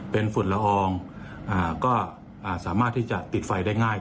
เป็นฝุ่นละอองก็สามารถที่จะติดไฟได้ง่าย